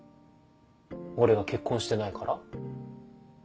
俺が結婚してないから？